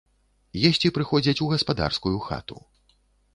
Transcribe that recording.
Есці прыходзяць у гаспадарскую хату.